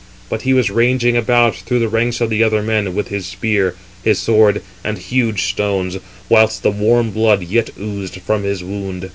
But he was ranging about through the ranks of other men, with his spear, his sword, and huge stones, whilst the warm blood yet oozed from his wound.